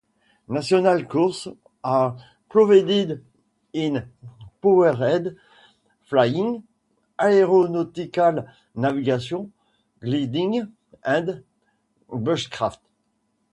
National courses are provided in powered flying, aeronautical navigation, gliding and bushcraft.